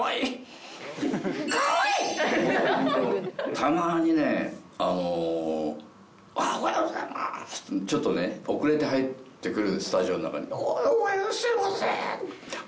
たまにねあの「おはようございます！」ってちょっとね遅れて入ってくるスタジオの中に。